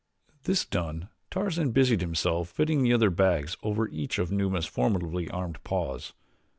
This done Tarzan busied himself fitting the other bags, one over each of Numa's formidably armed paws.